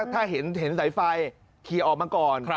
ถ้าเห็นสายไฟเคลียร์ออกมาก่อน